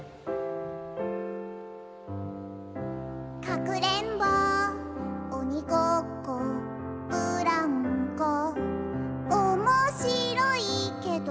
「かくれんぼおにごっこブランコ」「おもしろいけど」